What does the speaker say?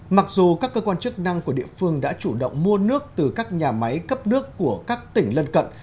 mặc dù các cơ quan chức năng của địa phương đã chủ động mua nước từ các nhà máy cấp nước của các tỉnh lân cận